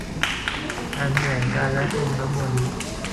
อ่านแถลงการณ์ และ พรมน้ำมนต์